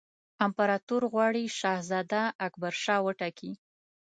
امپراطور غواړي شهزاده اکبرشاه وټاکي.